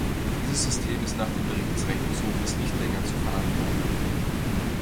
Dieses System ist nach dem Bericht des Rechnungshofes nicht länger zu verantworten.